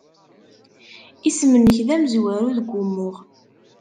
Isem-nnek d amezwaru deg wumuɣ.